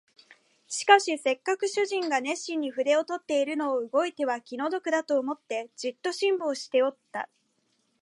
しかしせっかく主人が熱心に筆を執っているのを動いては気の毒だと思って、じっと辛抱しておった